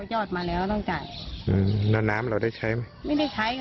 ยอดมาแล้วต้องจ่ายอืมแล้วน้ำเราได้ใช้ไหมไม่ได้ใช้ไง